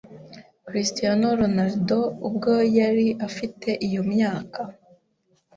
Cristiano Ronaldo ubwo yari afite iyo myaka